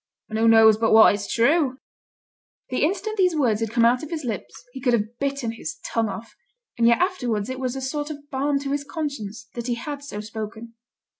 'An' who knows but what it's true?' The instant these words had come out of his lips he could have bitten his tongue off. And yet afterwards it was a sort of balm to his conscience that he had so spoken.